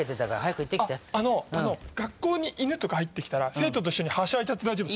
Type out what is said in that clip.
あの学校に犬とか入って来たら生徒と一緒にはしゃいで大丈夫？